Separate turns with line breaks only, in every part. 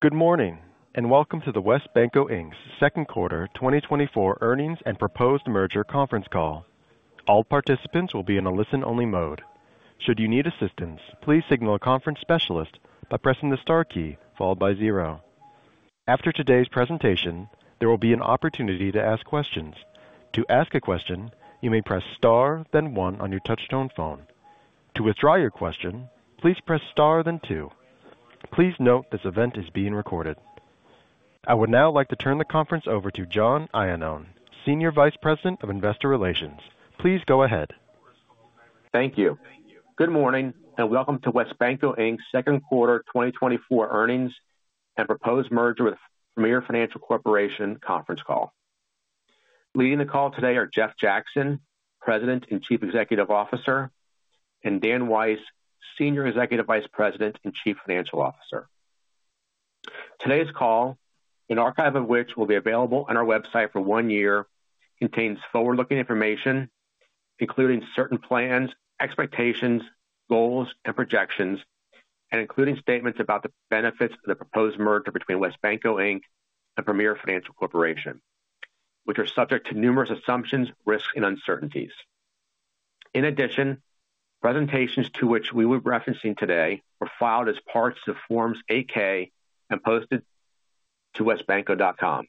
Good morning, and welcome to the WesBanco, Inc.'s second quarter 2024 earnings and proposed merger conference call. All participants will be in a listen-only mode. Should you need assistance, please signal a conference specialist by pressing the star key, followed by zero. After today's presentation, there will be an opportunity to ask questions. To ask a question, you may press star, then one on your touch-tone phone. To withdraw your question, please press star, then two. Please note this event is being recorded. I would now like to turn the conference over to John Iannone, Senior Vice President of Investor Relations. Please go ahead.
Thank you. Good morning, and welcome to WesBanco, Inc.'s second quarter 2024 earnings and proposed merger with Premier Financial Corp. conference call. Leading the call today are Jeff Jackson, President and Chief Executive Officer, and Dan Weiss, Senior Executive Vice President and Chief Financial Officer. Today's call, an archive of which will be available on our website for one year, contains forward-looking information, including certain plans, expectations, goals, and projections, and including statements about the benefits of the proposed merger between WesBanco, Inc. and Premier Financial Corp., which are subject to numerous assumptions, risks, and uncertainties. In addition, presentations to which we were referencing today were filed as parts of Forms 8-K and posted to wesbanco.com.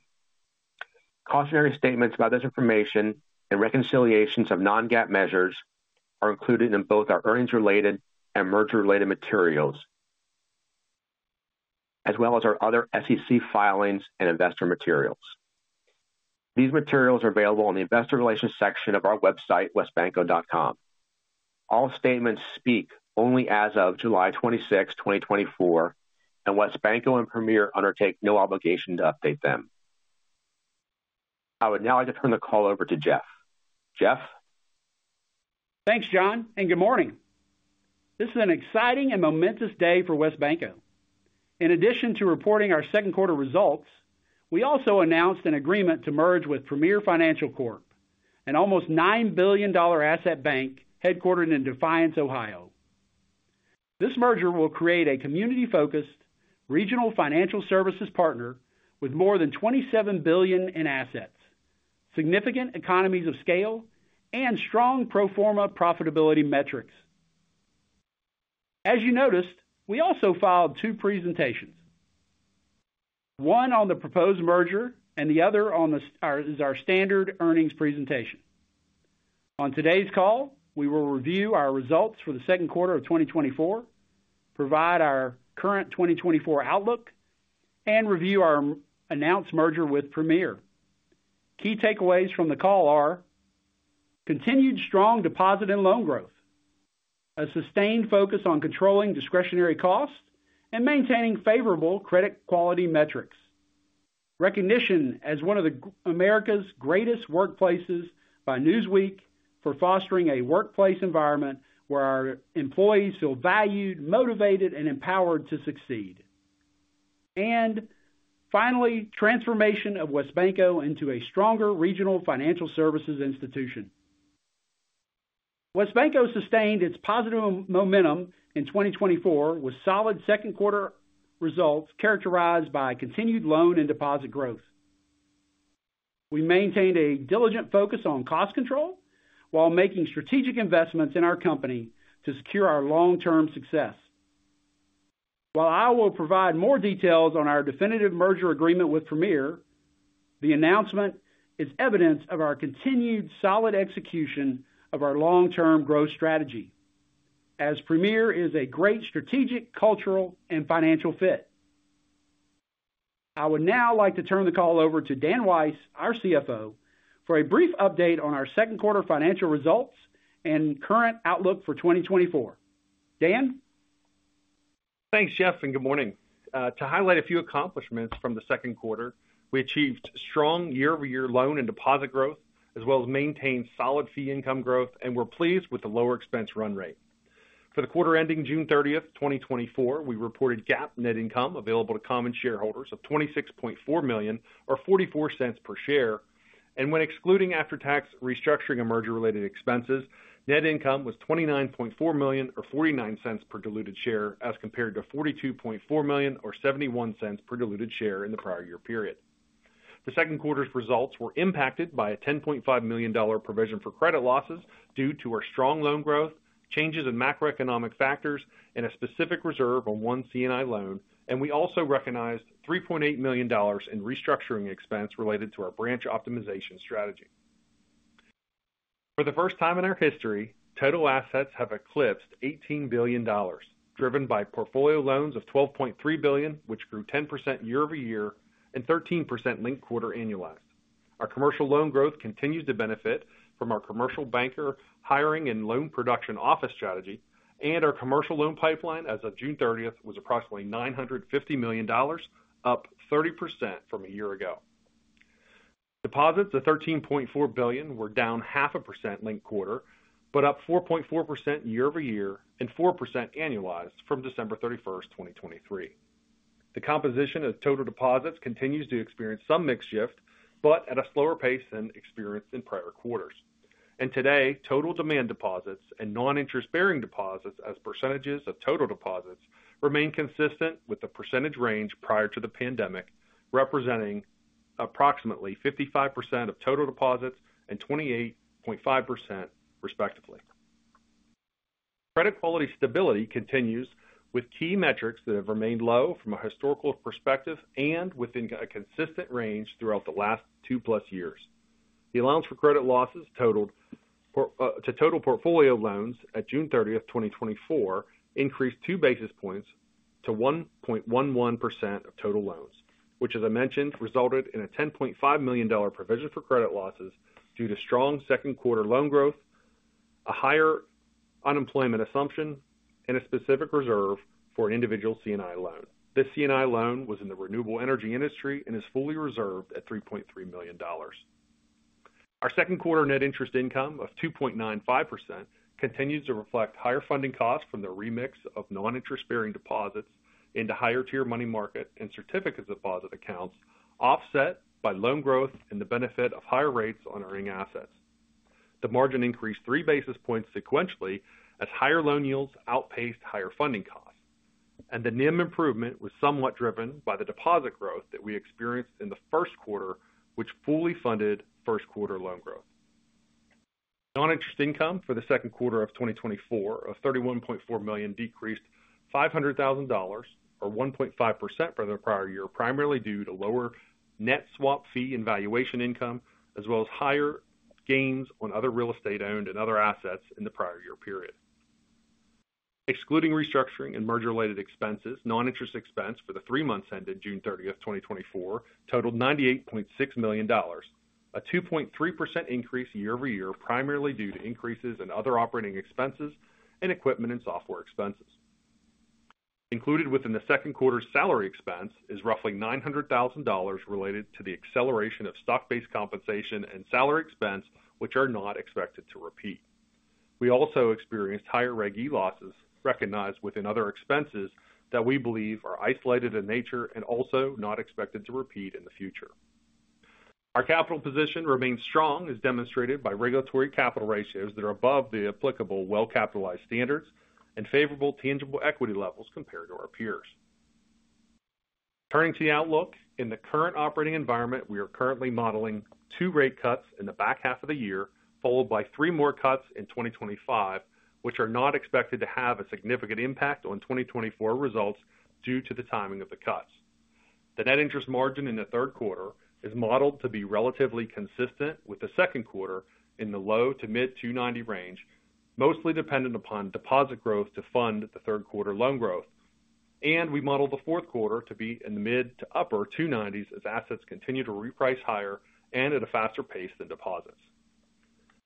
Cautionary statements about this information and reconciliations of non-GAAP measures are included in both our earnings-related and merger-related materials, as well as our other SEC filings and investor materials. These materials are available on the Investor Relations section of our website, wesbanco.com. All statements speak only as of July twenty-sixth, twenty twenty-four, and WesBanco and Premier undertake no obligation to update them. I would now like to turn the call over to Jeff. Jeff?
Thanks, John, and good morning. This is an exciting and momentous day for WesBanco. In addition to reporting our second quarter results, we also announced an agreement to merge with Premier Financial Corp., an almost $9 billion asset bank headquartered in Defiance, Ohio. This merger will create a community-focused regional financial services partner with more than $27 billion in assets, significant economies of scale, and strong pro forma profitability metrics. As you noticed, we also filed two presentations, one on the proposed merger and the other is our standard earnings presentation. On today's call, we will review our results for the second quarter of 2024, provide our current 2024 outlook, and review our announced merger with Premier. Key takeaways from the call are: continued strong deposit and loan growth, a sustained focus on controlling discretionary costs and maintaining favorable credit quality metrics, recognition as one of America's Greatest Workplaces by Newsweek for fostering a workplace environment where our employees feel valued, motivated, and empowered to succeed. And finally, transformation of WesBanco into a stronger regional financial services institution. WesBanco sustained its positive momentum in 2024, with solid second quarter results characterized by continued loan and deposit growth. We maintained a diligent focus on cost control while making strategic investments in our company to secure our long-term success. While I will provide more details on our definitive merger agreement with Premier, the announcement is evidence of our continued solid execution of our long-term growth strategy, as Premier is a great strategic, cultural, and financial fit. I would now like to turn the call over to Dan Weiss, our CFO, for a brief update on our second quarter financial results and current outlook for 2024. Dan?
Thanks, Jeff, and good morning. To highlight a few accomplishments from the second quarter, we achieved strong year-over-year loan and deposit growth, as well as maintained solid fee income growth, and we're pleased with the lower expense run rate. For the quarter ending June 30, 2024, we reported GAAP net income available to common shareholders of $26.4 million or $0.44 per share, and when excluding after-tax restructuring and merger-related expenses, net income was $29.4 million or $0.49 per diluted share, as compared to $42.4 million or $0.71 per diluted share in the prior year period. The second quarter's results were impacted by a $10.5 million provision for credit losses due to our strong loan growth, changes in macroeconomic factors, and a specific reserve on one C&I loan, and we also recognized $3.8 million in restructuring expense related to our branch optimization strategy. For the first time in our history, total assets have eclipsed $18 billion, driven by portfolio loans of $12.3 billion, which grew 10% year-over-year and 13% linked quarter annualized. Our commercial loan growth continues to benefit from our commercial banker hiring and loan production office strategy, and our commercial loan pipeline as of June 30 was approximately $950 million, up 30% from a year ago. Deposits of $13.4 billion were down 0.5% linked quarter, but up 4.4% year-over-year and 4% annualized from December 31, 2023. The composition of total deposits continues to experience some mix shift, but at a slower pace than experienced in prior quarters.... And today, total demand deposits and non-interest bearing deposits as percentages of total deposits remain consistent with the percentage range prior to the pandemic, representing approximately 55% of total deposits and 28.5% respectively. Credit quality stability continues with key metrics that have remained low from a historical perspective and within a consistent range throughout the last 2+ years. The allowance for credit losses totaled for total portfolio loans at June 30, 2024, increased 2 basis points to 1.11% of total loans, which, as I mentioned, resulted in a $10.5 million provision for credit losses due to strong second quarter loan growth, a higher unemployment assumption, and a specific reserve for an individual C&I loan. This C&I loan was in the renewable energy industry and is fully reserved at $3.3 million. Our second quarter net interest income of 2.95% continues to reflect higher funding costs from the remix of non-interest bearing deposits into higher tier money market and certificates of deposit accounts, offset by loan growth and the benefit of higher rates on earning assets. The margin increased 3 basis points sequentially, as higher loan yields outpaced higher funding costs, and the NIM improvement was somewhat driven by the deposit growth that we experienced in the first quarter, which fully funded first quarter loan growth. Non-interest income for the second quarter of 2024 of $31.4 million decreased $500,000, or 1.5% from the prior year, primarily due to lower net swap fee and valuation income, as well as higher gains on other real estate owned and other assets in the prior year period. Excluding restructuring and merger-related expenses, non-interest expense for the three months ended June 30th, 2024, totaled $98.6 million, a 2.3% increase year-over-year, primarily due to increases in other operating expenses and equipment and software expenses. Included within the second quarter salary expense is roughly $900,000 related to the acceleration of stock-based compensation and salary expense, which are not expected to repeat. We also experienced higher Reg E losses recognized within other expenses that we believe are isolated in nature and also not expected to repeat in the future. Our capital position remains strong, as demonstrated by regulatory capital ratios that are above the applicable well-capitalized standards and favorable tangible equity levels compared to our peers. Turning to the outlook, in the current operating environment, we are currently modeling 2 rate cuts in the back half of the year, followed by 3 more cuts in 2025, which are not expected to have a significant impact on 2024 results due to the timing of the cuts. The net interest margin in the third quarter is modeled to be relatively consistent with the second quarter in the low- to mid-2.90% range, mostly dependent upon deposit growth to fund the third quarter loan growth. We model the fourth quarter to be in the mid- to upper 2.90s as assets continue to reprice higher and at a faster pace than deposits.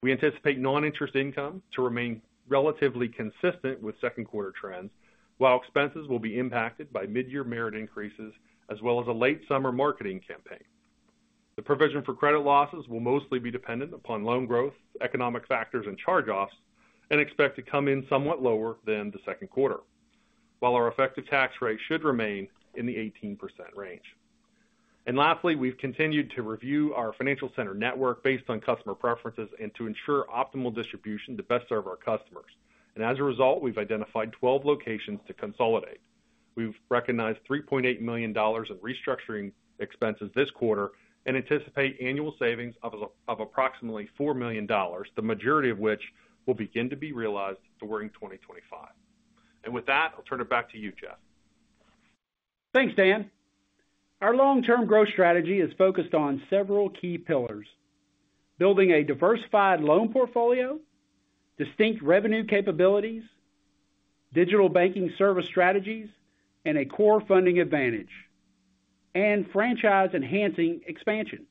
We anticipate non-interest income to remain relatively consistent with second quarter trends, while expenses will be impacted by mid-year merit increases, as well as a late summer marketing campaign. The provision for credit losses will mostly be dependent upon loan growth, economic factors, and charge-offs, and expect to come in somewhat lower than the second quarter, while our effective tax rate should remain in the 18% range. And lastly, we've continued to review our financial center network based on customer preferences and to ensure optimal distribution to best serve our customers. As a result, we've identified 12 locations to consolidate. We've recognized $3.8 million in restructuring expenses this quarter and anticipate annual savings of approximately $4 million, the majority of which will begin to be realized during 2025. With that, I'll turn it back to you, Jeff.
Thanks, Dan. Our long-term growth strategy is focused on several key pillars: building a diversified loan portfolio, distinct revenue capabilities, digital banking service strategies, and a core funding advantage, and franchise-enhancing expansion.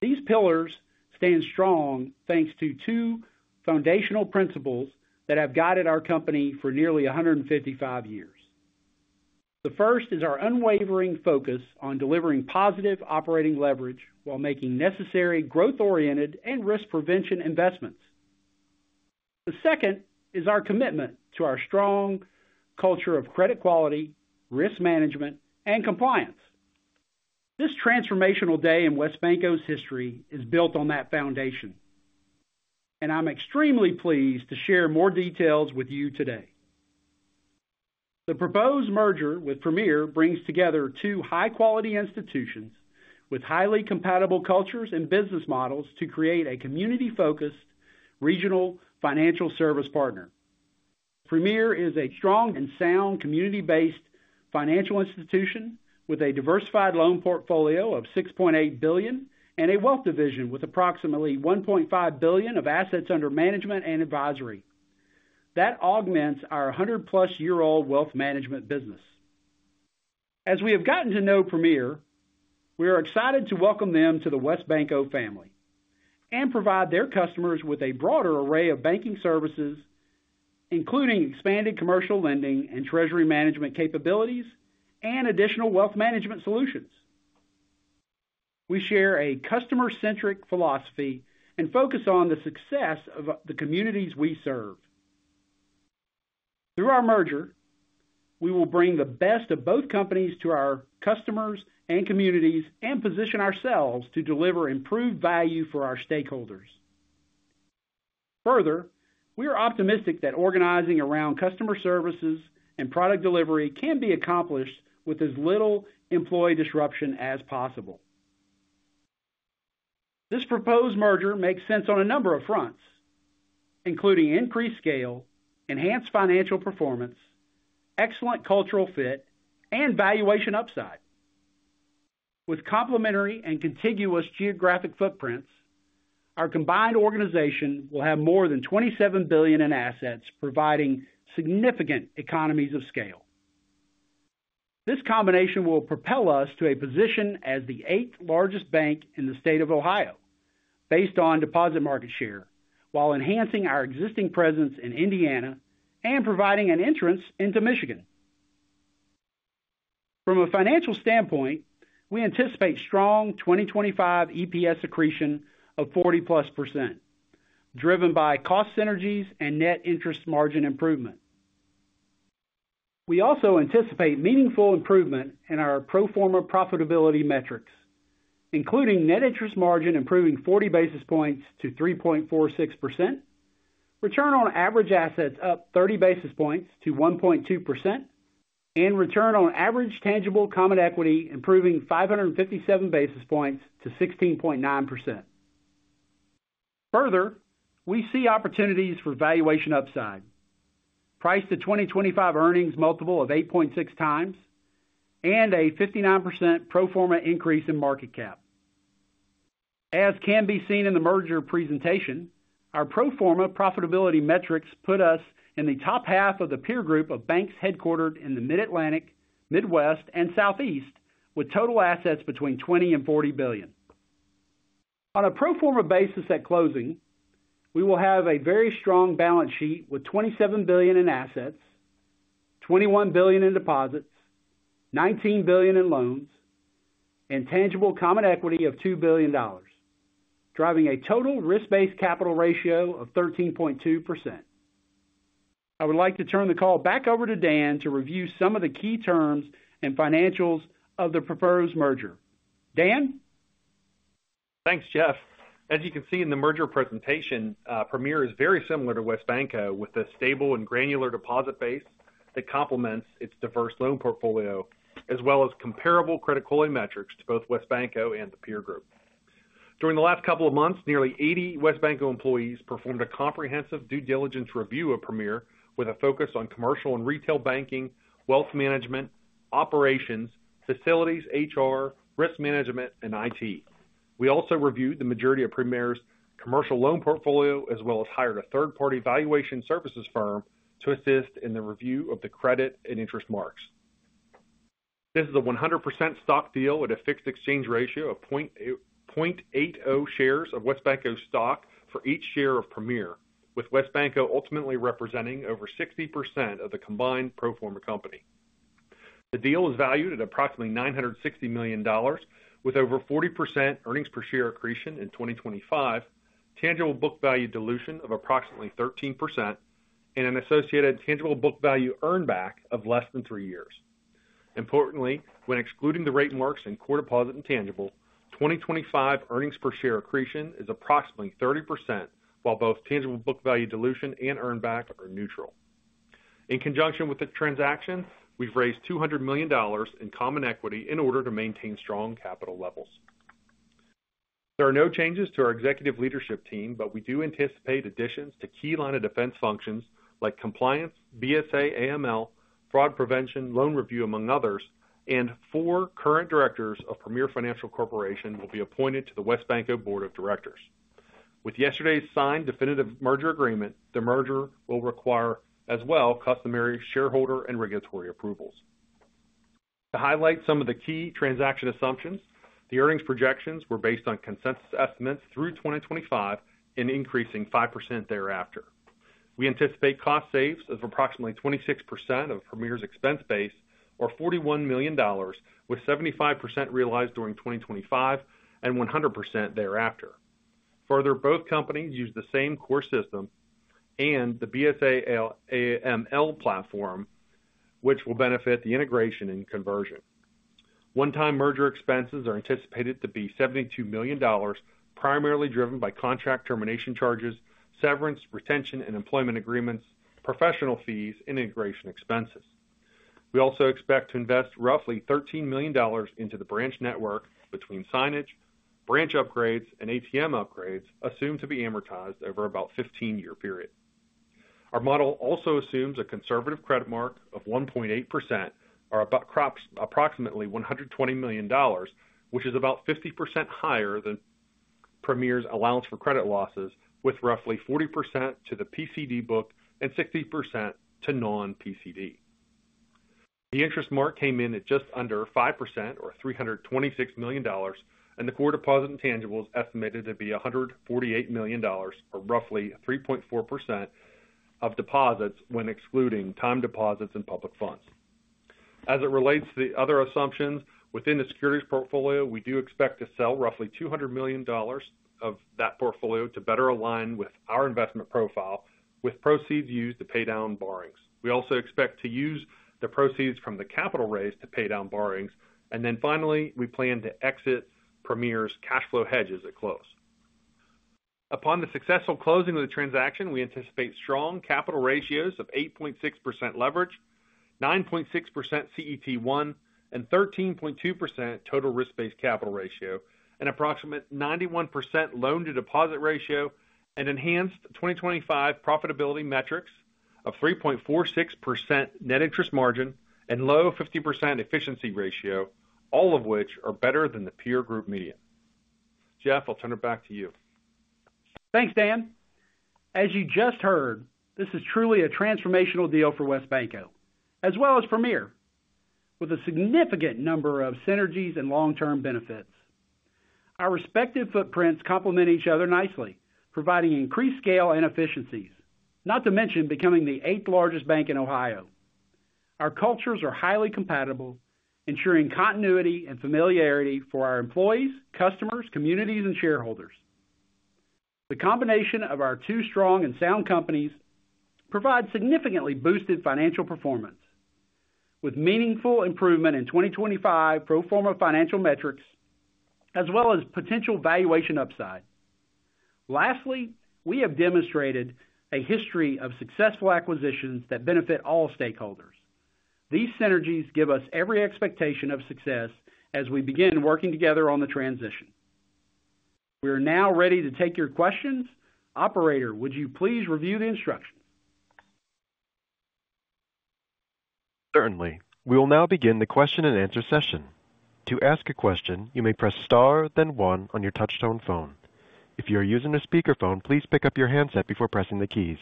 These pillars stand strong thanks to two foundational principles that have guided our company for nearly 155 years. The first is our unwavering focus on delivering positive operating leverage while making necessary growth-oriented and risk prevention investments. The second is our commitment to our strong culture of credit quality, risk management, and compliance. This transformational day in WesBanco's history is built on that foundation, and I'm extremely pleased to share more details with you today. The proposed merger with Premier brings together two high-quality institutions with highly compatible cultures and business models to create a community-focused regional financial service partner. Premier is a strong and sound community-based financial institution with a diversified loan portfolio of $6.8 billion and a wealth division with approximately $1.5 billion of assets under management and advisory. That augments our 100+-year-old wealth management business. As we have gotten to know Premier, we are excited to welcome them to the WesBanco family and provide their customers with a broader array of banking services, including expanded commercial lending and treasury management capabilities and additional wealth management solutions. We share a customer-centric philosophy and focus on the success of the communities we serve.... Through our merger, we will bring the best of both companies to our customers and communities, and position ourselves to deliver improved value for our stakeholders. Further, we are optimistic that organizing around customer services and product delivery can be accomplished with as little employee disruption as possible. This proposed merger makes sense on a number of fronts, including increased scale, enhanced financial performance, excellent cultural fit, and valuation upside. With complementary and contiguous geographic footprints, our combined organization will have more than $27 billion in assets, providing significant economies of scale. This combination will propel us to a position as the eighth largest bank in the state of Ohio, based on deposit market share, while enhancing our existing presence in Indiana and providing an entrance into Michigan. From a financial standpoint, we anticipate strong 2025 EPS accretion of 40+%, driven by cost synergies and net interest margin improvement. We also anticipate meaningful improvement in our pro forma profitability metrics, including net interest margin improving 40 basis points to 3.46%, return on average assets up 30 basis points to 1.2%, and return on average tangible common equity, improving 557 basis points to 16.9%. Further, we see opportunities for valuation upside, priced at 2025 earnings multiple of 8.6x, and a 59% pro forma increase in market cap. As can be seen in the merger presentation, our pro forma profitability metrics put us in the top half of the peer group of banks headquartered in the Mid-Atlantic, Midwest, and Southeast, with total assets between $20 billion and $40 billion. On a pro forma basis at closing, we will have a very strong balance sheet with $27 billion in assets, $21 billion in deposits, $19 billion in loans, and tangible common equity of $2 billion, driving a total risk-based capital ratio of 13.2%. I would like to turn the call back over to Dan to review some of the key terms and financials of the proposed merger. Dan?
Thanks, Jeff. As you can see in the merger presentation, Premier is very similar to WesBanco, with a stable and granular deposit base that complements its diverse loan portfolio, as well as comparable credit quality metrics to both WesBanco and the peer group. During the last couple of months, nearly 80 WesBanco employees performed a comprehensive due diligence review of Premier, with a focus on commercial and retail banking, wealth management, operations, facilities, HR, risk management, and IT. We also reviewed the majority of Premier's commercial loan portfolio, as well as hired a third-party valuation services firm to assist in the review of the credit and interest marks. This is a 100% stock deal with a fixed exchange ratio of 0.80 shares of WesBanco stock for each share of Premier, with WesBanco ultimately representing over 60% of the combined pro forma company. The deal is valued at approximately $960 million, with over 40% earnings per share accretion in 2025, tangible book value dilution of approximately 13%, and an associated tangible book value earn back of less than 3 years. Importantly, when excluding the rate marks and core deposit and tangible, 2025 earnings per share accretion is approximately 30%, while both tangible book value dilution and earn back are neutral. In conjunction with the transaction, we've raised $200 million in common equity in order to maintain strong capital levels. There are no changes to our executive leadership team, but we do anticipate additions to key line of defense functions like compliance, BSA/AML, fraud prevention, loan review, among others, and four current directors of Premier Financial Corp. will be appointed to the WesBanco Board of Directors. With yesterday's signed definitive merger agreement, the merger will require, as well, customary shareholder and regulatory approvals. To highlight some of the key transaction assumptions, the earnings projections were based on consensus estimates through 2025 and increasing 5% thereafter. We anticipate cost saves of approximately 26% of Premier's expense base, or $41 million, with 75% realized during 2025 and 100% thereafter. Further, both companies use the same core system and the BSA/AML platform, which will benefit the integration and conversion. One-time merger expenses are anticipated to be $72 million, primarily driven by contract termination charges, severance, retention, and employment agreements, professional fees, and integration expenses. We also expect to invest roughly $13 million into the branch network between signage, branch upgrades, and ATM upgrades, assumed to be amortized over about 15-year period. Our model also assumes a conservative credit mark of 1.8%, or approximately $120 million, which is about 50% higher than Premier's allowance for credit losses, with roughly 40% to the PCD book and 60% to non-PCD. The interest mark came in at just under 5% or $326 million, and the core deposit and tangible is estimated to be $148 million, or roughly 3.4% of deposits when excluding time deposits and public funds. As it relates to the other assumptions, within the securities portfolio, we do expect to sell roughly $200 million of that portfolio to better align with our investment profile, with proceeds used to pay down borrowings. We also expect to use the proceeds from the capital raise to pay down borrowings. And then finally, we plan to exit Premier's cash flow hedges at close. Upon the successful closing of the transaction, we anticipate strong capital ratios of 8.6% leverage, 9.6% CET1, and 13.2% total risk-based capital ratio, an approximate 91% loan-to-deposit ratio, and enhanced 2025 profitability metrics of 3.46% net interest margin and low 50% efficiency ratio, all of which are better than the peer group median. Jeff, I'll turn it back to you.
Thanks, Dan. As you just heard, this is truly a transformational deal for WesBanco, as well as Premier, with a significant number of synergies and long-term benefits. Our respective footprints complement each other nicely, providing increased scale and efficiencies, not to mention becoming the eighth largest bank in Ohio. Our cultures are highly compatible, ensuring continuity and familiarity for our employees, customers, communities, and shareholders. The combination of our two strong and sound companies provides significantly boosted financial performance, with meaningful improvement in 2025 pro forma financial metrics, as well as potential valuation upside. Lastly, we have demonstrated a history of successful acquisitions that benefit all stakeholders. These synergies give us every expectation of success as we begin working together on the transition. We are now ready to take your questions. Operator, would you please review the instructions?
Certainly. We will now begin the question and answer session. To ask a question, you may press star, then one on your touch-tone phone. If you are using a speakerphone, please pick up your handset before pressing the keys.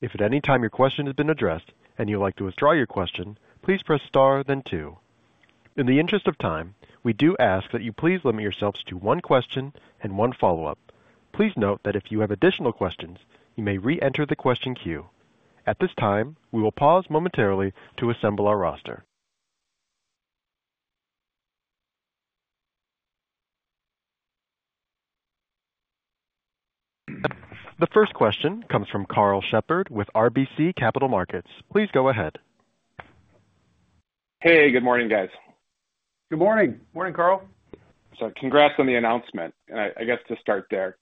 If at any time your question has been addressed and you'd like to withdraw your question, please press star then two. In the interest of time, we do ask that you please limit yourselves to one question and one follow-up. Please note that if you have additional questions, you may reenter the question queue. At this time, we will pause momentarily to assemble our roster. The first question comes from Karl Shepard with RBC Capital Markets. Please go ahead.
Hey, good morning, guys.
Good morning.
Morning, Karl.
Congrats on the announcement. I guess, to start there,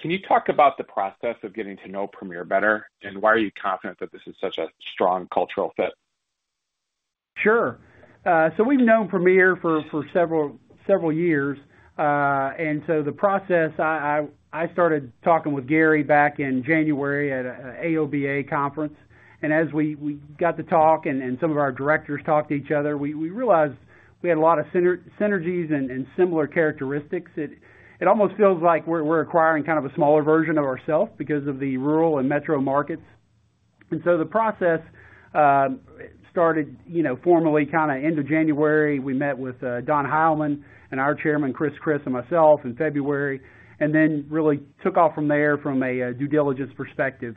can you talk about the process of getting to know Premier better, and why are you confident that this is such a strong cultural fit?
Sure. So we've known Premier for several years. And so the process, I started talking with Gary back in January at a AOBA conference. And as we got to talk and some of our directors talked to each other, we realized we had a lot of synergies and similar characteristics. It almost feels like we're acquiring kind of a smaller version of ourselves because of the rural and metro markets. And so the process started, you know, formally, kind of end of January. We met with Don Hileman and our chairman, Chris, and myself in February, and then really took off from there from a due diligence perspective.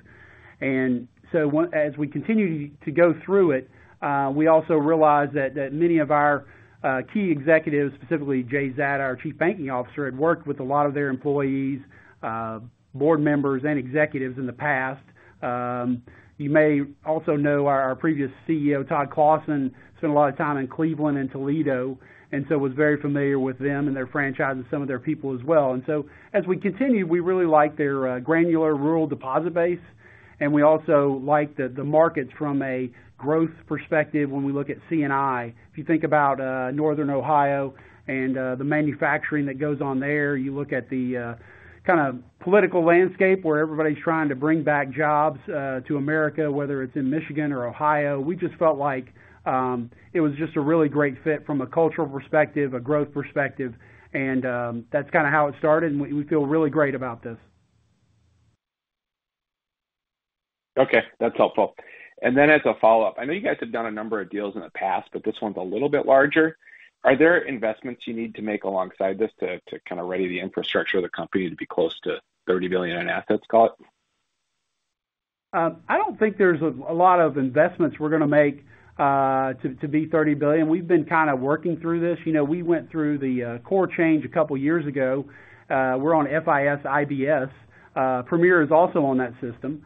As we continued to go through it, we also realized that many of our key executives, specifically Jay Zatta, our Chief Banking Officer, had worked with a lot of their employees, board members, and executives in the past. You may also know our previous CEO, Todd Clossin, spent a lot of time in Cleveland and Toledo, and so was very familiar with them and their franchise and some of their people as well. As we continued, we really liked their granular rural deposit base, and we also liked the markets from a growth perspective when we look at C&I. If you think about Northern Ohio and the manufacturing that goes on there, you look at the kind of political landscape where everybody's trying to bring back jobs to America, whether it's in Michigan or Ohio. We just felt like it was just a really great fit from a cultural perspective, a growth perspective, and that's kind of how it started, and we feel really great about this.
Okay, that's helpful. And then as a follow-up, I know you guys have done a number of deals in the past, but this one's a little bit larger. Are there investments you need to make alongside this to, to kind of ready the infrastructure of the company to be close to $30 billion in assets, right?
I don't think there's a lot of investments we're going to make to be $30 billion. We've been kind of working through this. You know, we went through the core change a couple of years ago. We're on FIS IBS. Premier is also on that system.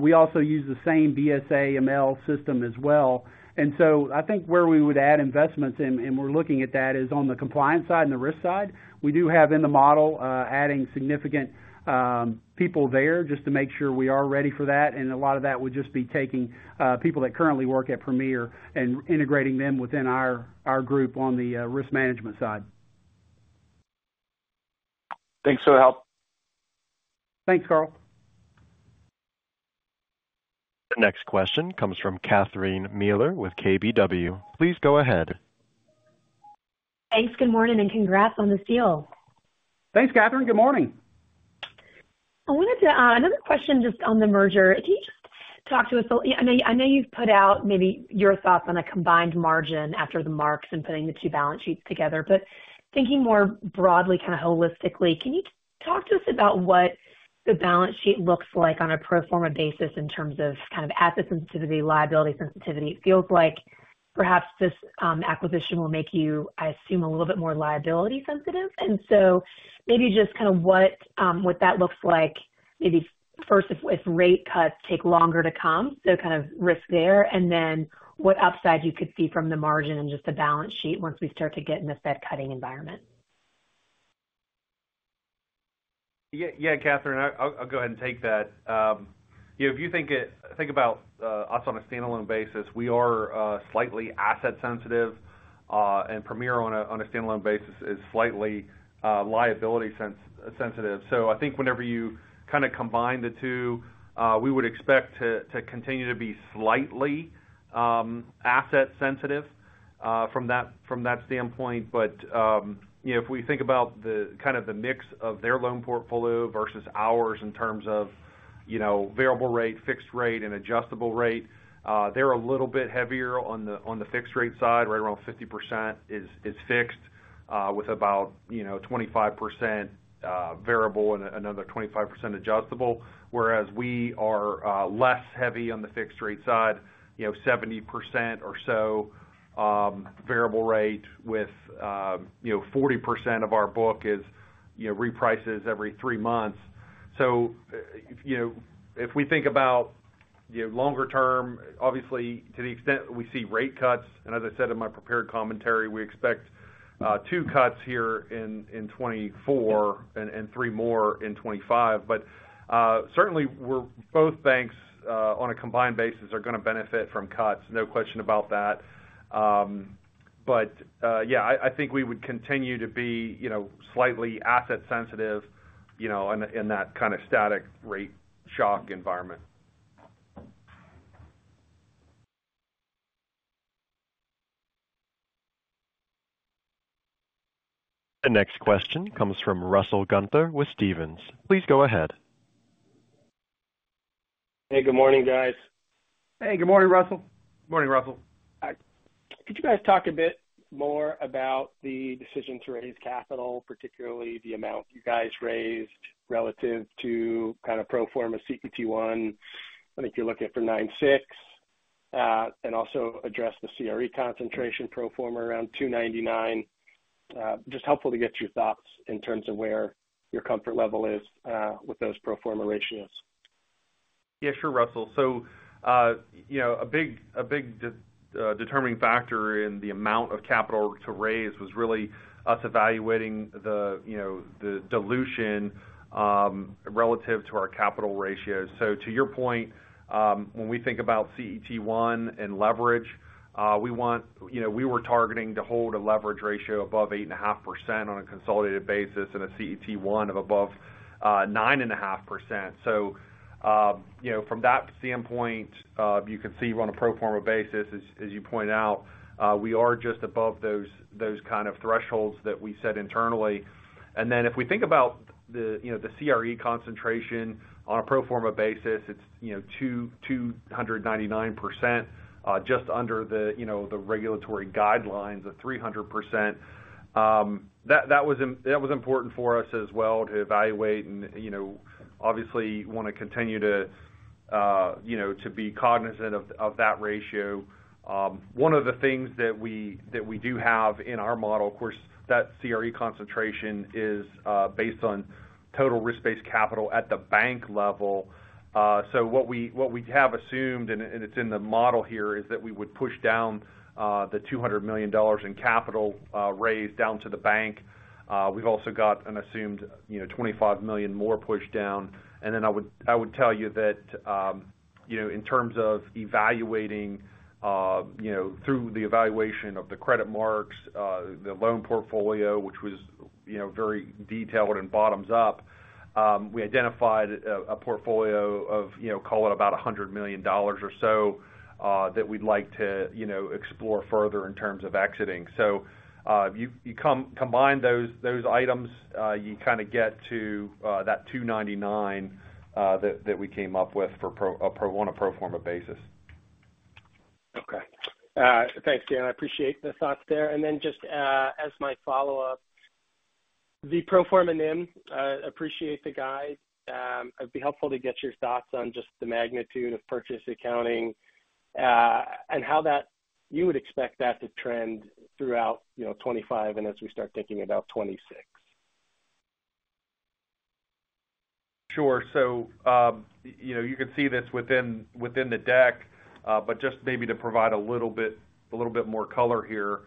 We also use the same BSA/AML system as well. And so I think where we would add investments, and we're looking at that, is on the compliance side and the risk side. We do have in the model adding significant people there just to make sure we are ready for that. And a lot of that would just be taking people that currently work at Premier and integrating them within our group on the risk management side.
Thanks for the help.
Thanks, Karl.
The next question comes from Catherine Mealor with KBW. Please go ahead.
Thanks, good morning, and congrats on this deal.
Thanks, Catherine. Good morning.
I wanted to another question just on the merger. Can you just talk to us a little. I know, I know you've put out maybe your thoughts on a combined margin after the marks and putting the two balance sheets together, but thinking more broadly, kind of holistically, can you just talk to us about what the balance sheet looks like on a pro forma basis in terms of kind of asset sensitivity, liability sensitivity. It feels like perhaps this acquisition will make you, I assume, a little bit more liability sensitive. And so maybe just kind of what that looks like, maybe first, if rate cuts take longer to come, so kind of risk there, and then what upside you could see from the margin and just the balance sheet once we start to get in the Fed cutting environment.
Yeah, yeah, Catherine, I'll go ahead and take that. You know, if you think about us on a standalone basis, we are slightly asset sensitive, and Premier on a standalone basis is slightly liability sensitive. So I think whenever you kind of combine the two, we would expect to continue to be slightly asset sensitive from that standpoint. But you know, if we think about the kind of the mix of their loan portfolio versus ours in terms of, you know, variable rate, fixed rate, and adjustable rate, they're a little bit heavier on the fixed rate side, right around 50% is fixed, with about, you know, 25% variable and another 25% adjustable. Whereas we are less heavy on the fixed rate side, you know, 70% or so variable rate with, you know, 40% of our book is, you know, reprices every three months. So you know, if we think about, you know, longer term, obviously, to the extent we see rate cuts, and as I said in my prepared commentary, we expect two cuts here in 2024 and three more in 2025. But certainly, we're both banks on a combined basis are going to benefit from cuts, no question about that. But yeah, I think we would continue to be, you know, slightly asset sensitive, you know, in that kind of static rate shock environment.
The next question comes from Russell Gunther with Stephens. Please go ahead.
Hey, good morning, guys.
Hey, good morning, Russell.
Morning, Russell.
Hi. Could you guys talk a bit more about the decision to raise capital, particularly the amount you guys raised relative to kind of pro forma CET1? I think you're looking for 9.6, and also address the CRE concentration pro forma around 299. Just helpful to get your thoughts in terms of where your comfort level is with those pro forma ratios.
Yeah, sure, Russell. So, you know, a big determining factor in the amount of capital to raise was really us evaluating the, you know, the dilution, relative to our capital ratios. So to your point, when we think about CET1 and leverage, we want... You know, we were targeting to hold a leverage ratio above 8.5% on a consolidated basis and a CET1 of above, nine and a half percent. So, you know, from that standpoint, you can see on a pro forma basis, as you point out, we are just above those, those kind of thresholds that we set internally. And then if we think about the, you know, the CRE concentration on a pro forma basis, it's, you know, 299%, just under the, you know, the regulatory guidelines of 300%. That was important for us as well to evaluate and, you know, obviously want to continue to, you know, to be cognizant of that ratio. One of the things that we do have in our model, of course, that CRE concentration is based on total risk-based capital at the bank level. So what we have assumed, and it's in the model here, is that we would push down the $200 million in capital raise down to the bank. We've also got an assumed, you know, $25 million more pushed down. Then I would tell you that, you know, in terms of evaluating, you know, through the evaluation of the credit marks, the loan portfolio, which was, you know, very detailed and bottoms up, we identified a portfolio of, you know, call it about $100 million or so, that we'd like to, you know, explore further in terms of exiting. So, you combine those items, you kind of get to that $299 million, that we came up with for pro forma basis.
Okay. Thanks, Dan. I appreciate the thoughts there. And then just, as my follow-up, the pro forma NIM, appreciate the guide. It'd be helpful to get your thoughts on just the magnitude of purchase accounting, and how that you would expect that to trend throughout, you know, 2025 and as we start thinking about 2026.
Sure. So, you know, you can see this within the deck, but just maybe to provide a little bit more color here.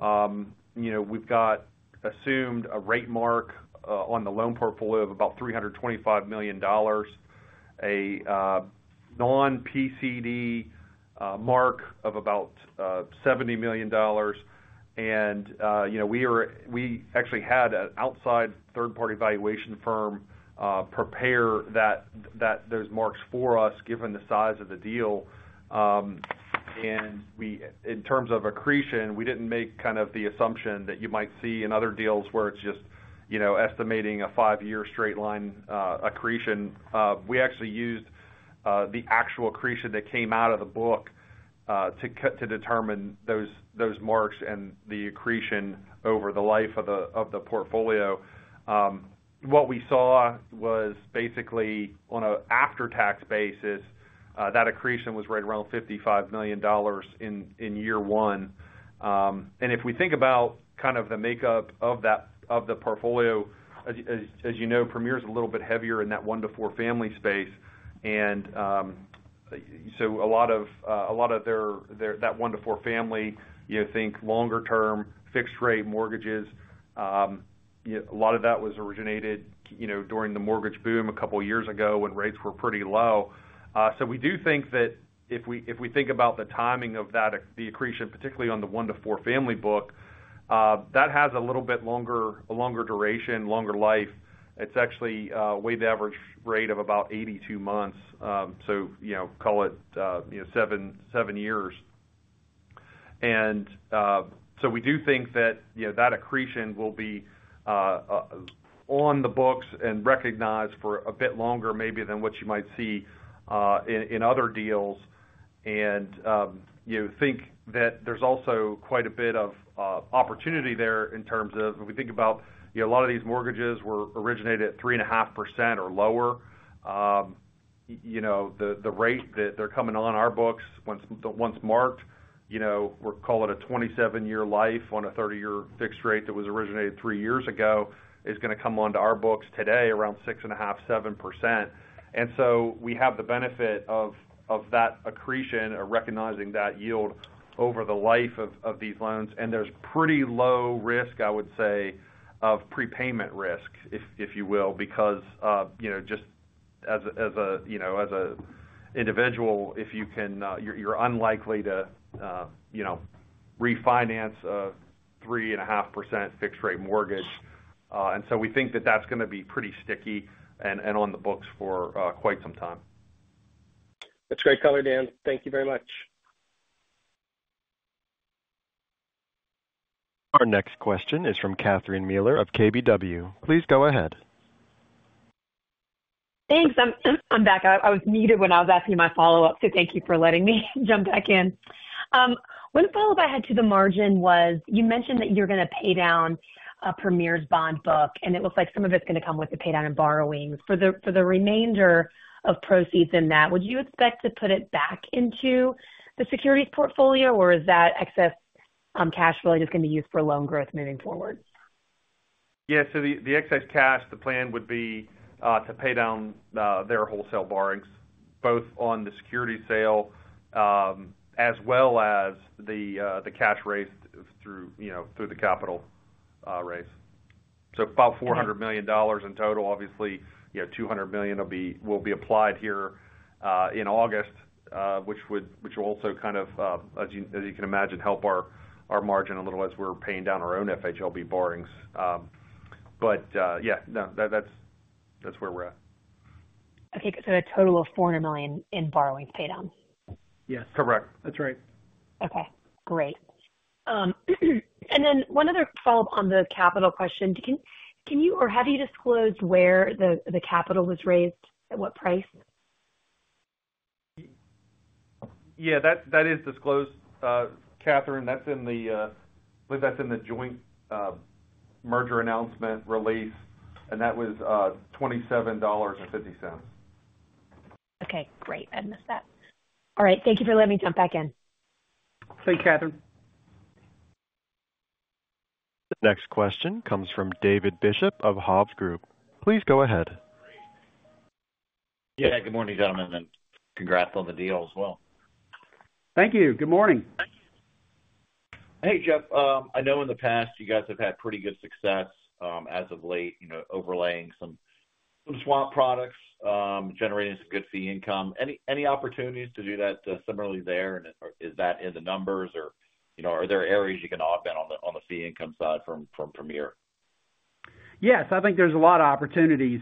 You know, we've got assumed a rate mark on the loan portfolio of about $325 million, a non-PCD mark of about $70 million. And, you know, we actually had an outside third-party valuation firm prepare those marks for us, given the size of the deal. And we in terms of accretion, we didn't make kind of the assumption that you might see in other deals where it's just, you know, estimating a five-year straight line accretion. We actually used-... The actual accretion that came out of the book to determine those marks and the accretion over the life of the portfolio. What we saw was basically on an after-tax basis, that accretion was right around $55 million in year 1. And if we think about kind of the makeup of that portfolio, as you know, Premier is a little bit heavier in that 1-4 family space. So a lot of their that 1-4 family, you think longer term, fixed rate mortgages, you know, a lot of that was originated, you know, during the mortgage boom a couple of years ago when rates were pretty low. So we do think that if we think about the timing of that, the accretion, particularly on the 1-4 family book, that has a little bit longer, a longer duration, longer life. It's actually weighted average rate of about 82 months. So, you know, call it 7 years. And so we do think that, you know, that accretion will be on the books and recognized for a bit longer maybe than what you might see in other deals. And you think that there's also quite a bit of opportunity there in terms of when we think about, you know, a lot of these mortgages were originated at 3.5% or lower. You know, the rate that they're coming on our books, once marked, you know, we call it a 27-year life on a 30-year fixed rate that was originated 3 years ago, is going to come onto our books today around 6.5%-7%. And so we have the benefit of that accretion, of recognizing that yield over the life of these loans. And there's pretty low risk, I would say, of prepayment risk, if you will, because you know, just as an individual, if you can, you're unlikely to you know, refinance a 3.5% fixed rate mortgage. And so we think that that's going to be pretty sticky and on the books for quite some time.
That's great color, Dan. Thank you very much.
Our next question is from Catherine Mealor of KBW. Please go ahead.
Thanks. I'm back. I was muted when I was asking my follow-up, so thank you for letting me jump back in. One follow-up I had to the margin was, you mentioned that you're going to pay down Premier's bond book, and it looks like some of it's going to come with the pay down in borrowings. For the remainder of proceeds in that, would you expect to put it back into the securities portfolio, or is that excess cash flow just going to be used for loan growth moving forward?
Yeah, so the excess cash, the plan would be to pay down their wholesale borrowings, both on the security sale, as well as the cash raised through, you know, through the capital raise. So about $400 million in total. Obviously, you know, $200 million will be applied here in August, which would, which will also kind of, as you can imagine, help our margin a little as we're paying down our own FHLB borrowings. But yeah, no, that's where we're at.
Okay, so a total of $400 million in borrowings pay down?
Yes, correct. That's right.
Okay, great. One other follow-up on the capital question. Can you or have you disclosed where the capital was raised, at what price?
Yeah, that, that is disclosed, Catherine, that's in the, believe that's in the joint merger announcement release, and that was $27.50.
Okay, great. I missed that. All right. Thank you for letting me jump back in.
Thank you, Catherine.
The next question comes from David Bishop of Hovde Group. Please go ahead.
Yeah, good morning, gentlemen, and congrats on the deal as well.
Thank you. Good morning.
Hey, Jeff. I know in the past, you guys have had pretty good success, as of late, you know, overlaying some swap products, generating some good fee income. Any opportunities to do that similarly there? And is that in the numbers or, you know, are there areas you can opt in on the fee income side from Premier?
Yes, I think there's a lot of opportunities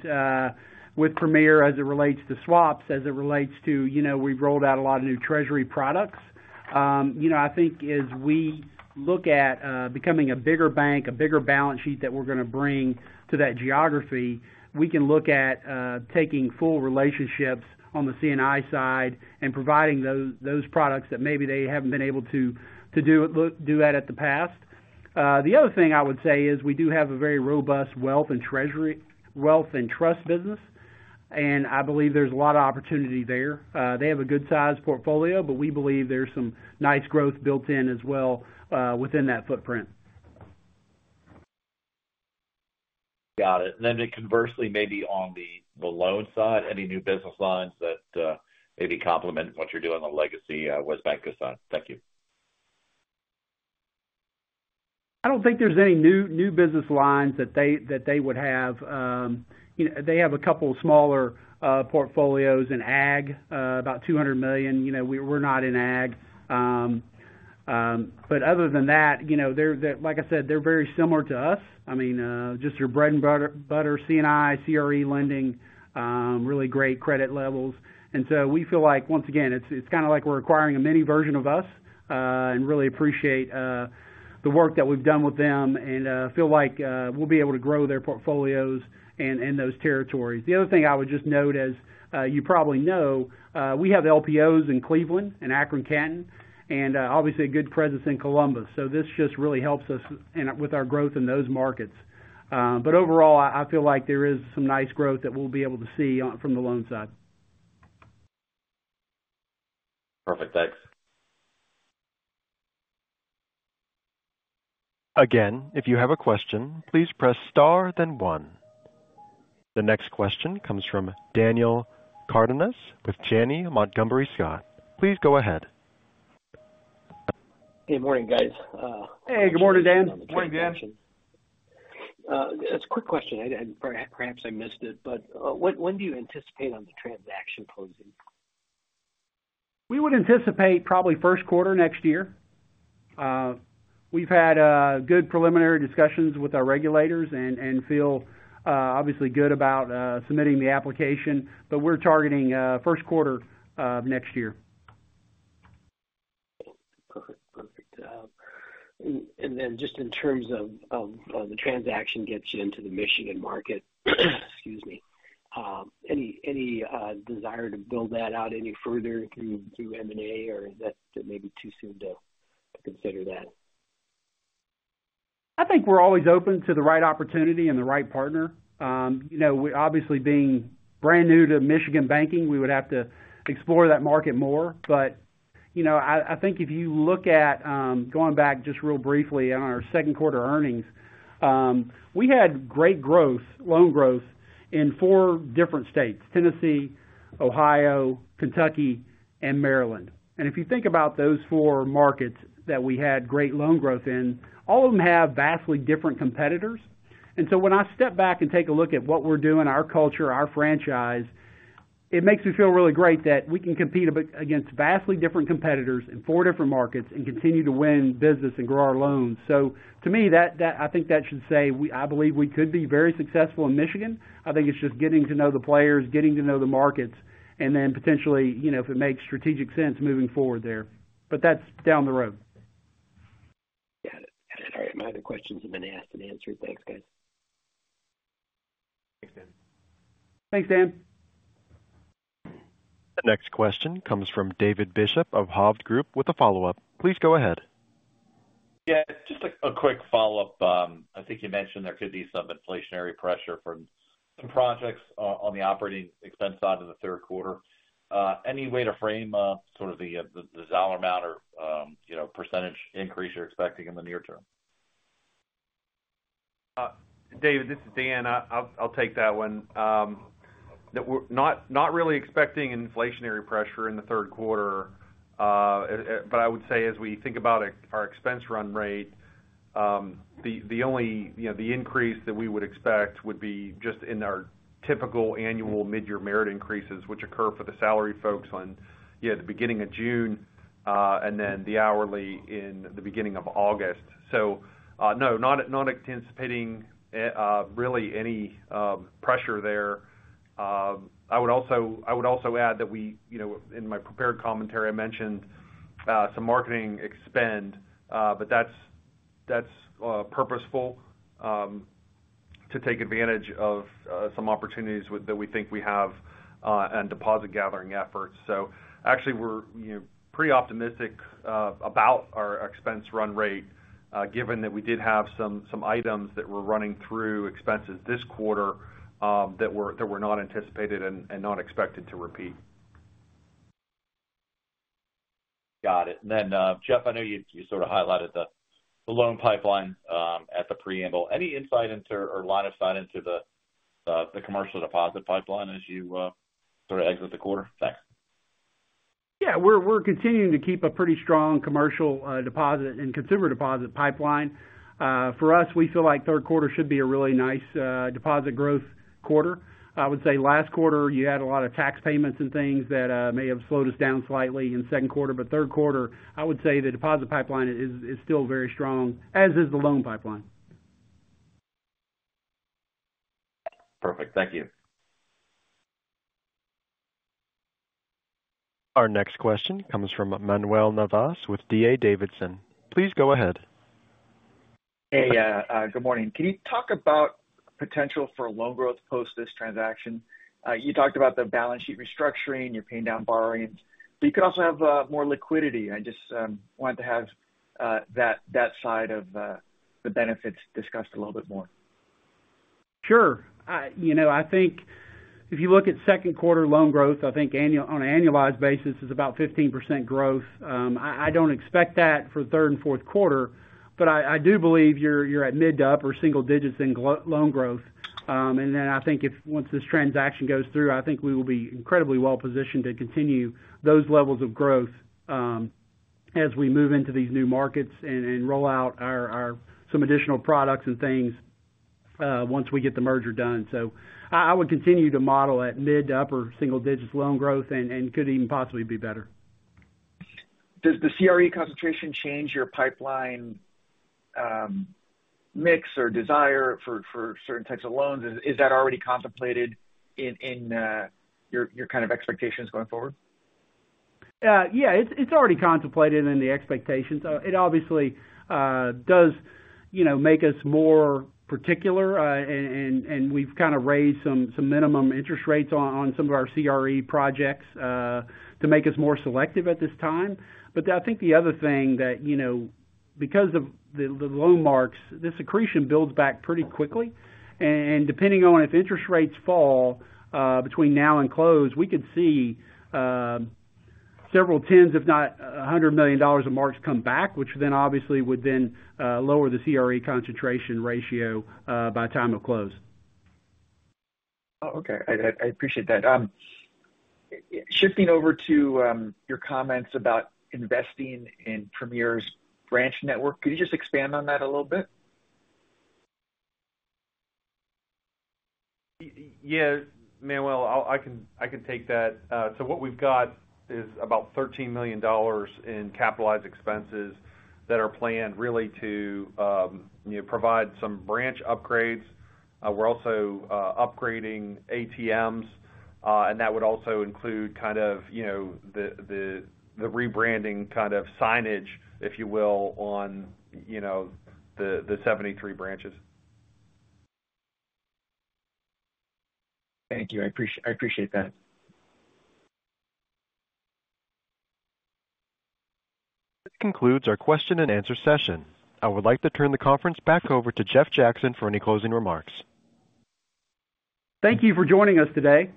with Premier as it relates to swaps, as it relates to, you know, we've rolled out a lot of new treasury products. You know, I think as we look at becoming a bigger bank, a bigger balance sheet that we're going to bring to that geography, we can look at taking full relationships on the C&I side and providing those products that maybe they haven't been able to do that in the past. The other thing I would say is, we do have a very robust wealth and trust business, and I believe there's a lot of opportunity there. They have a good-sized portfolio, but we believe there's some nice growth built in as well within that footprint.
Got it. Then conversely, maybe on the loan side, any new business lines that maybe complement what you're doing on the legacy WesBanco side? Thank you.
I don't think there's any new, new business lines that they, that they would have. You know, they have a couple of smaller portfolios in Ag, about $200 million. You know, we're not in Ag. But other than that, you know, they're—like I said, they're very similar to us. I mean, just your bread and butter C&I, CRE lending, really great credit levels. And so we feel like, once again, it's kind of like we're acquiring a mini version of us, and really appreciate the work that we've done with them and feel like we'll be able to grow their portfolios and in those territories. The other thing I would just note, as you probably know, we have LPOs in Cleveland and Akron, Canton, and obviously, a good presence in Columbus. This just really helps us with our growth in those markets. But overall, I feel like there is some nice growth that we'll be able to see from the loan side.
Perfect, thanks.
Again, if you have a question, please press star then one. The next question comes from Daniel Cardenas with Janney Montgomery Scott. Please go ahead.
Good morning, guys,
Hey, good morning, Dan.
Good morning, Dan.
It's a quick question. I perhaps missed it, but when do you anticipate on the transaction closing?
We would anticipate probably first quarter next year. We've had good preliminary discussions with our regulators and feel obviously good about submitting the application, but we're targeting first quarter of next year.
Perfect. Perfect. And then just in terms of the transaction gets you into the Michigan market, excuse me, any desire to build that out any further through M&A, or is that maybe too soon to consider that?
I think we're always open to the right opportunity and the right partner. You know, we obviously, being brand new to Michigan banking, we would have to explore that market more. But, you know, I think if you look at, going back just real briefly on our second quarter earnings, we had great growth, loan growth in four different states: Tennessee, Ohio, Kentucky, and Maryland. And if you think about those four markets that we had great loan growth in, all of them have vastly different competitors. And so when I step back and take a look at what we're doing, our culture, our franchise, it makes me feel really great that we can compete a bit against vastly different competitors in four different markets and continue to win business and grow our loans. So to me, I think that should say we. I believe we could be very successful in Michigan. I think it's just getting to know the players, getting to know the markets, and then potentially, you know, if it makes strategic sense, moving forward there. But that's down the road.
Got it. Got it. All right, my other questions have been asked and answered. Thanks, guys.
Thanks, Dan.
Thanks, Dan.
The next question comes from David Bishop of Hovde Group with a follow-up. Please go ahead.
Yeah, just a quick follow-up. I think you mentioned there could be some inflationary pressure from some projects on the operating expense side in the third quarter. Any way to frame sort of the dollar amount or, you know, percentage increase you're expecting in the near term?
David, this is Dan. I'll take that one. We're not really expecting inflationary pressure in the third quarter. But I would say, as we think about our expense run rate, the only, you know, the increase that we would expect would be just in our typical annual mid-year merit increases, which occur for the salary folks on the beginning of June, and then the hourly in the beginning of August. So, no, not anticipating really any pressure there. I would also add that we... You know, in my prepared commentary, I mentioned some marketing expenditures, but that's purposeful, to take advantage of some opportunities that we think we have, and deposit gathering efforts. So actually, we're, you know, pretty optimistic about our expense run rate, given that we did have some items that were running through expenses this quarter that were not anticipated and not expected to repeat.
Got it. And then, Jeff, I know you sort of highlighted the loan pipeline at the preamble. Any insight into or line of sight into the commercial deposit pipeline as you sort of exit the quarter? Thanks.
Yeah, we're, we're continuing to keep a pretty strong commercial deposit and consumer deposit pipeline. For us, we feel like third quarter should be a really nice deposit growth quarter. I would say last quarter, you had a lot of tax payments and things that may have slowed us down slightly in second quarter. But third quarter, I would say the deposit pipeline is, is still very strong, as is the loan pipeline.
Perfect. Thank you.
Our next question comes from Manuel Navas with D.A. Davidson. Please go ahead.
Hey, good morning. Can you talk about potential for loan growth post this transaction? You talked about the balance sheet restructuring, you're paying down borrowings, but you could also have more liquidity. I just wanted to have that side of the benefits discussed a little bit more.
Sure. You know, I think if you look at second quarter loan growth, I think on an annualized basis, is about 15% growth. I don't expect that for the third and fourth quarter, but I do believe you're at mid- to upper single digits in loan growth. And then I think once this transaction goes through, I think we will be incredibly well positioned to continue those levels of growth, as we move into these new markets and roll out our additional products and things, once we get the merger done. So I would continue to model at mid- to upper single digits loan growth and could even possibly be better.
Does the CRE concentration change your pipeline, mix or desire for certain types of loans? Is that already contemplated in your kind of expectations going forward?
Yeah, it's already contemplated in the expectations. It obviously does, you know, make us more particular, and we've kind of raised some minimum interest rates on some of our CRE projects to make us more selective at this time. But I think the other thing that, you know, because of the loan marks, this accretion builds back pretty quickly. And depending on if interest rates fall between now and close, we could see several tens, if not $100 million, of marks come back, which then obviously would lower the CRE concentration ratio by the time of close.
Oh, okay. I, I appreciate that. Shifting over to your comments about investing in Premier's branch network, could you just expand on that a little bit?
Yes, Manuel, I'll, I can take that. So what we've got is about $13 million in capitalized expenses that are planned really to, you know, provide some branch upgrades. We're also upgrading ATMs, and that would also include kind of, you know, the rebranding kind of signage, if you will, on, you know, the 73 branches.
Thank you. I appreciate, I appreciate that.
This concludes our question and answer session. I would like to turn the conference back over to Jeff Jackson for any closing remarks.
Thank you for joining us today.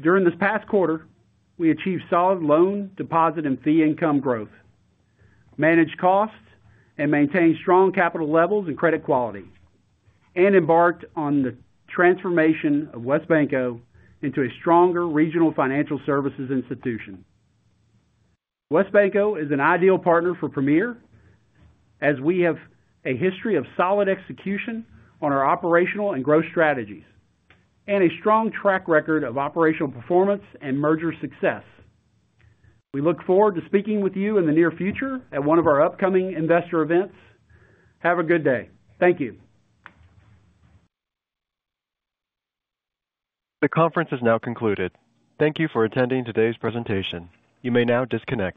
During this past quarter, we achieved solid loan, deposit, and fee income growth, managed costs, and maintained strong capital levels and credit quality, and embarked on the transformation of WesBanco into a stronger regional financial services institution. WesBanco is an ideal partner for Premier, as we have a history of solid execution on our operational and growth strategies, and a strong track record of operational performance and merger success. We look forward to speaking with you in the near future at one of our upcoming investor events. Have a good day. Thank you.
The conference is now concluded. Thank you for attending today's presentation. You may now disconnect.